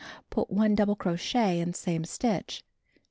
Put 1 double crochet in same stitch.